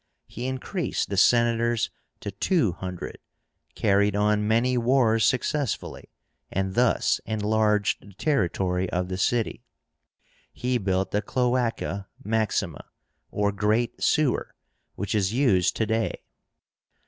He increased the Senators to two hundred, carried on many wars successfully, and thus enlarged the territory of the city. He built the CLOÁCA MAXIMA, or great sewer, which is used to day.